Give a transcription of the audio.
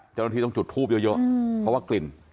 เจ้าหน้าที่ต้องจุดทูบเยอะเพราะว่ากลิ่น